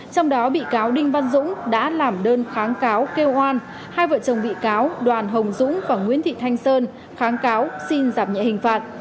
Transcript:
trong đó bị cáo đinh văn dũng đã làm đơn kháng cáo kêu oan hai vợ chồng bị cáo đoàn hồng dũng và nguyễn thị thanh sơn kháng cáo xin giảm nhẹ hình phạt